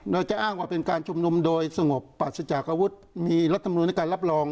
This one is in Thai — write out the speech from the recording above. จะอ้างว่าเป็นการชุมนุมโดยสงบปราศจากอาวุธมีรัฐมนุนในการรับรอง